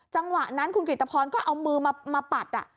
จังหวะนั้นคุณกริตภรก็เอามือมาปัด